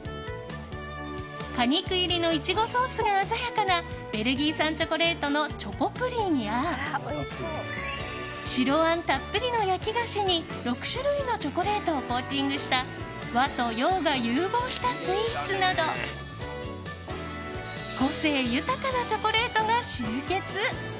果肉入りのイチゴソースが鮮やかなベルギー産チョコレートのチョコプリンや白あんたっぷりの焼き菓子に６種類のチョコレートをコーティングした和と洋が融合したスイーツなど個性豊かなチョコレートが集結。